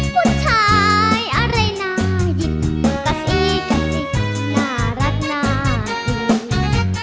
คุณชายอะไรน่าหยิบกสิกสิบน่ารักน่าดี